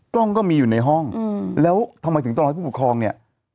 กล้องก็มีอยู่ในห้องแล้วทำไมถึงต้องให้ผู้ปกครองเนี่ย